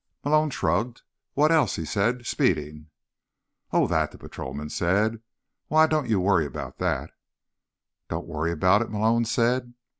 Malone shrugged. "What else?" he said. "Speeding." "Oh, that," the patrolman said. "Why, don't you worry about that." "Don't worry about it?" Malone said.